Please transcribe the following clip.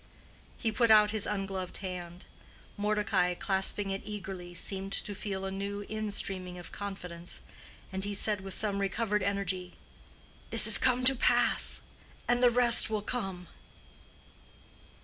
He put out his ungloved hand. Mordecai, clasping it eagerly, seemed to feel a new instreaming of confidence, and he said with some recovered energy—"This is come to pass, and the rest will come."